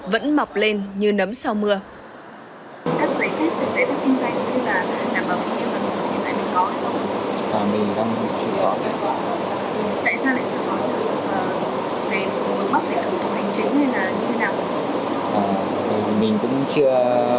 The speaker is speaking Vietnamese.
vẫn mọc lên như nấm sau mưa